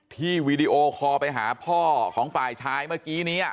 วีดีโอคอลไปหาพ่อของฝ่ายชายเมื่อกี้นี้